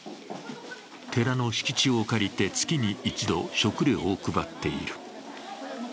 寺の敷地を借りて、月に一度、食料を配っている。